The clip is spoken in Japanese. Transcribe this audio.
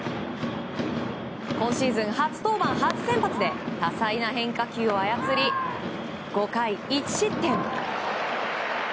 今シーズン初登板・初先発で多彩な変化球を操り５回１失点。